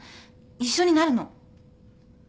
一緒になるの。